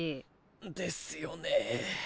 ですよね。